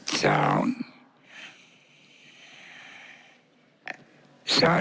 สร้างสร้างสร้าง